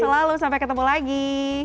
selalu sampai ketemu lagi